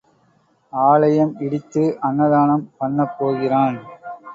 ஆலயம் இடித்து அன்னதானம் பண்ணப் போகிறான்.